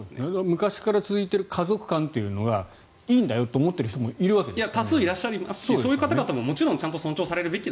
昔から続いている家族観というのがいいんだよと思っている人たちもいるわけですよね。